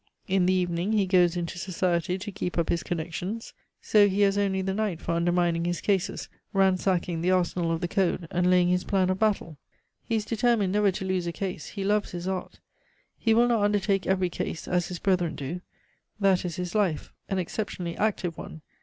In the evening he goes into society to keep up his connections. So he has only the night for undermining his cases, ransacking the arsenal of the code, and laying his plan of battle. He is determined never to lose a case; he loves his art. He will not undertake every case, as his brethren do. That is his life, an exceptionally active one.